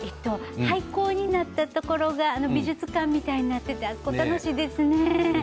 廃校になったところが美術館みたいになっていて楽しいですね。